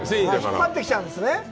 引っ張ってきちゃうんですね。